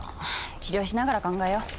治療しながら考えよう。